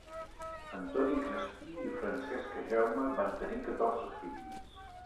Antoni Crespí i Francesca Jaume van tenir catorze fills.